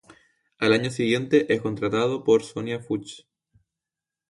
Al año siguiente, es contratado por Sonia Fuchs.